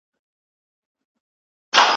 چي یوازي ملکه او خپل سترخان سو